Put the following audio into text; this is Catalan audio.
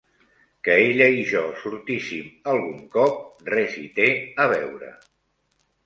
Que ella i jo sortíssim algun cop res hi té a veure.